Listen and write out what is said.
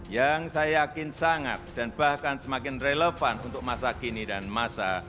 yang saya yakin sangat dan bahkan semakin relevan untuk masa kini dan masa